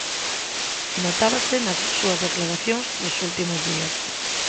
Notábase nas súas declaracións dos últimos días.